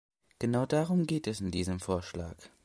Genau darum geht es in diesem Vorschlag.